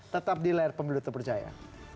tetap di layar pemilu terpercaya